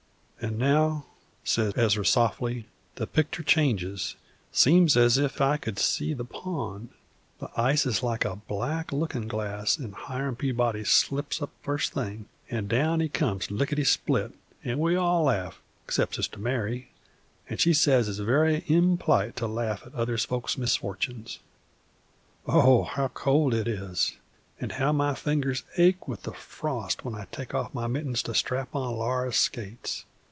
"And now," said Ezra, softly, "the pictur' changes; seems as if I could see the pond. The ice is like a black lookin' glass, and Hiram Peabody slips up the first thing, an' down he comes lickety split, an' we all laugh, except Sister Mary, an' she says it is very imp'lite to laugh at other folks' misfortunes. Ough! how cold it is, and how my fingers ache with the frost when I take off my mittens to strap on Laura's skates!